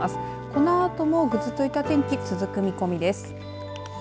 このあともぐずついた天気続く見込みです。